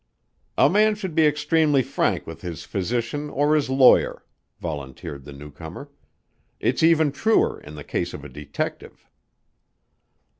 "A man should be extremely frank with his physician or his lawyer," volunteered the newcomer. "It's even truer in the case of a detective."